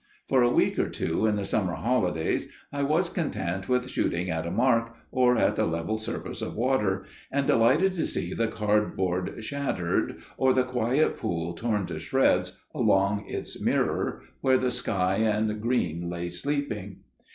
For a week or two in the summer holidays I was content with shooting at a mark, or at the level surface of water, and delighted to see the cardboard shattered, or the quiet pool torn to shreds along its mirror where the sky and green lay sleeping.